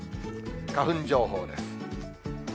花粉情報です。